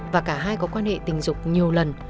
và cả hai có quan hệ tình dục nhiều lần